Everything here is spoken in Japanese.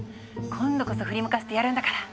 今度こそ振り向かせてやるんだから！